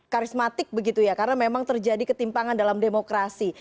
karismatik begitu ya karena memang terjadi ketimpangan dalam demokrasi